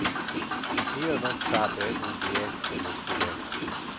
Io non sape ubi es le sue.